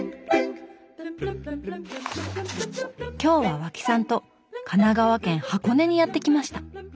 今日は和氣さんと神奈川県・箱根にやって来ました。